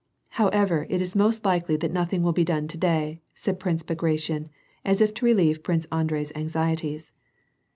" However, it is most likely that nothing will be done to day," said Prince Bagration, as if to relieve Prince Andrei's anxieties.